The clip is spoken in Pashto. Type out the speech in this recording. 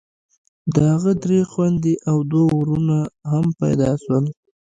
د هغه درې خويندې او دوه ورونه هم پيدا سول.